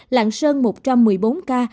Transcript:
lạng sơn một trăm một mươi bốn ca